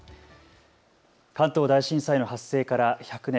関東大震災の発生から１００年。